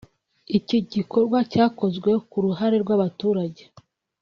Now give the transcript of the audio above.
Iki gikorwa cyakozwe ku ruhare rw’abaturage